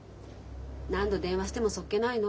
何度電話してもそっけないの。